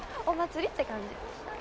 お祭りって感じ。